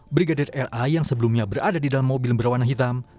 brigadir ra yang sebelumnya berada di dalam mobil berwarna hitam